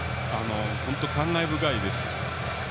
本当に感慨深いです。